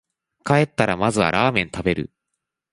帰ったらまずはラーメン食べる